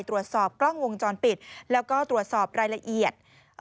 ตรวจสอบกล้องวงจรปิดแล้วก็ตรวจสอบรายละเอียด